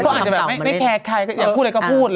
ก็อาจจะแบบไม่แคร์ใครอยากพูดอะไรก็พูด